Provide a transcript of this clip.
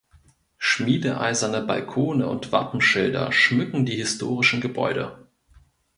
Schmiedeeiserne Balkone und Wappenschilder schmücken die historischen Gebäude.